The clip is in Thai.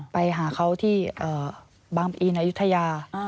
ไปหาเขาที่บางอีนอายุทยา